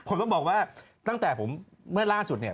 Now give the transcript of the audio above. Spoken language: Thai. ผมต้องบอกว่าตั้งแต่ล่าสุด